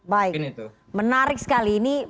baik menarik sekali ini